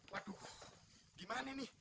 waduh gimana ini